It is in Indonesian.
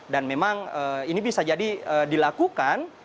dan memang ini bisa jadi dilakukan